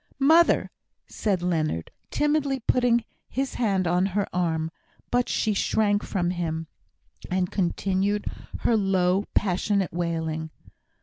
"Mother," said Leonard, timidly putting his hand on her arm; but she shrunk from him, and continued her low, passionate wailing.